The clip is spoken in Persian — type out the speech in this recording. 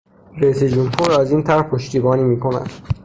رئیس جمهور از این طرح پشتیبانی میکند.